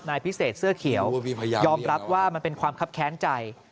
นายพิเศษเสื้อเขียวยอมรับว่ามันเป็นความคับแค้นใจ